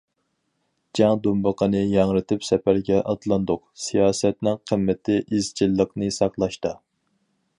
جەڭ دۇمبىقىنى ياڭرىتىپ سەپەرگە ئاتلاندۇق، سىياسەتنىڭ قىممىتى ئىزچىللىقىنى ساقلاشتا.